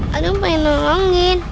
kadang pengen nolongin